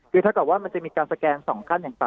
คือถ้าเกิดว่ามันจะมีการสแกน๒ขั้นอย่างต่ำ